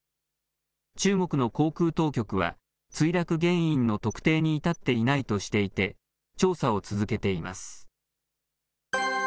中国の航空当局は、墜落原因の特定に至っていないとしていて、調査を続けています。